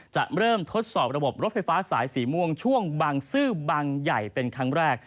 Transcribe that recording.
จะเริ่มทดสอบระบบรถไฟฟ้าสายสีม่วงช่วงบางซื่อบางใหญ่เป็นครั้งแรก